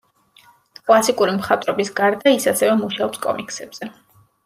კლასიკური მხატვრობის გარდა, ის ასევე მუშაობს კომიქსებზე.